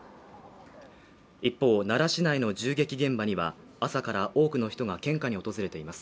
一方、奈良市内の銃撃現場には朝から多くの人が献花に訪れています。